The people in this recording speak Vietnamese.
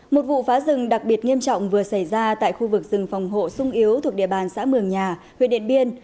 một vụ phá rừng đặc biệt nghiêm trọng vừa xảy ra tại khu vực rừng phòng hộ sung yếu thuộc địa bàn xã mường nhà huyện điện biên